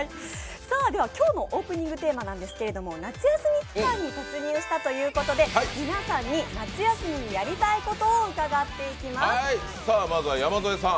今日のオープニングテーマですが、夏休み期間に突入したということで皆さんに夏休みにやりたいことを伺っていきます。